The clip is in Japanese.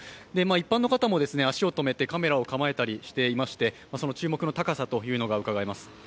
一般の方も足を止めてカメラを構えたりしていまして、その注目の高さというのがうかがえます。